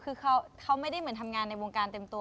คือเขาไม่ได้เหมือนทำงานในวงการเต็มตัว